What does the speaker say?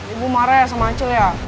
ibu marah ya sama cil ya